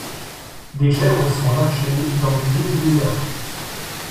Des chèvres sont lâchées dans des îles désertes.